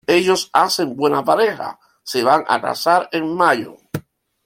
Ellos hacen buena pareja, se van a casar en mayo.